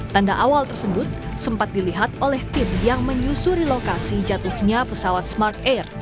tanda awal tersebut sempat dilihat oleh tim yang menyusuri lokasi jatuhnya pesawat smart air